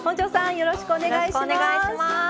よろしくお願いします。